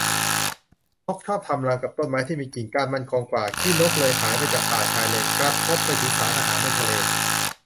นกชอบทำรังกับต้นไม้ที่มีกิ่งก้านมั่นคงกว่า ขี้นกเลยหายไปจากป่าชายเลน กระทบไปถึงสารอาหารในทะเล